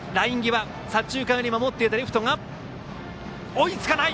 追いつかない！